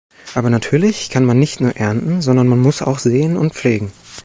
Aber natürlich kann man nicht nur ernten, sondern man muss auch säen und pflegen.